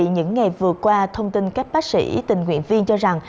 những ngày vừa qua thông tin các bác sĩ tình nguyện viên cho rằng